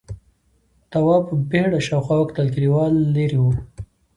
تواب په بيړه شاوخوا وکتل، کليوال ليرې و: